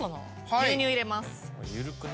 牛乳入れます。